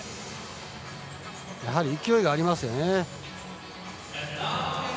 やはり勢いがありますよね。